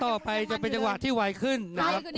ต่อไปจะเป็นจังหวะที่ไวขึ้นนะครับ